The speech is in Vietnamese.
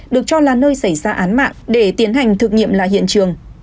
được cho là nơi xảy ra án mạng để tiến hành thực nghiệm lại hiện trường